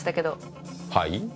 はい？